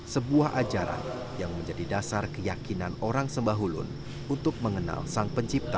sebuah ajaran yang menjadi dasar keyakinan orang sembahulun untuk mengenal sang pencipta